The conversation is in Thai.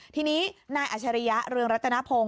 ทีนี้นายอัชริยะเรืองรัตนพงศ